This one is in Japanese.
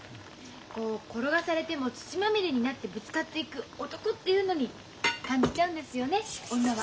こう転がされても土まみれになってぶつかっていく男っていうのに感じちゃうんですよね女は。